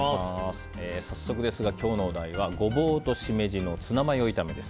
早速ですが、今日のお題はゴボウとシメジのツナマヨ炒め。